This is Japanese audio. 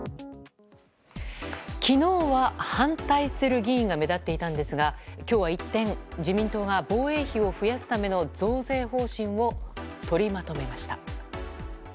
昨日は反対する議員が目立っていたんですが今日は一転自民党が防衛費を増やすための増税方針を取りまとめました。